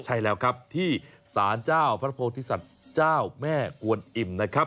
ใช่แล้วครับที่สารเจ้าพระโพธิสัตว์เจ้าแม่กวนอิ่มนะครับ